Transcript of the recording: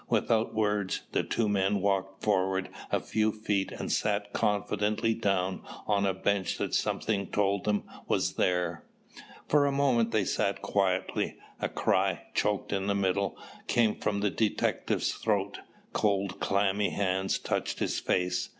Without words, the two men walked forward a few feet and sat confidently down on a bench that something told them was there. For a moment they sat quietly. A cry, choked in the middle, came from the detective's throat. Cold clammy hands touched his face.